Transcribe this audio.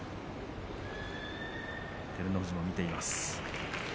照ノ富士も見ています。